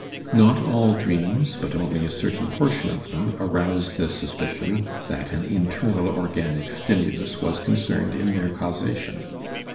Not all dreams, but only a certain portion of them, arouse the suspicion that an internal organic stimulus was concerned in their causation.